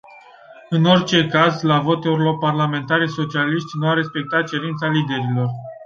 În orice caz, la vot, europarlamentarii socialiști nu au respectat cerința liderilor.